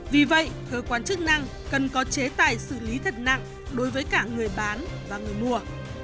vì vậy cơ quan chức năng cần có chế tài xử lý thật nặng đối với cả người bán và người mua